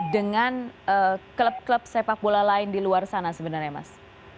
dengan klub klub sepak bola lain di luar sana sebenarnya mas